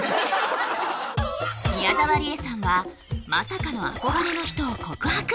宮沢りえさんはまさかの憧れの人を告白！